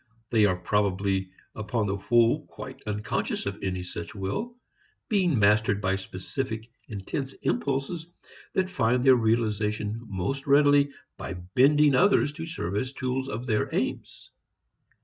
They are probably upon the whole quite unconscious of any such will, being mastered by specific intense impulses that find their realization most readily by bending others to serve as tools of their aims.